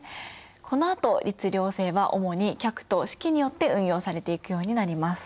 このあと律令制は主に「格」と「式」によって運用されていくようになります。